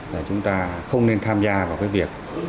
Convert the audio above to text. là chúng ta không nên tham gia vào cái việc